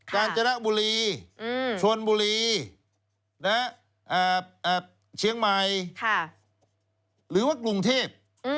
การจนบุรีชนบุรีเชียงใหม่หรือว่ากรุงเทพ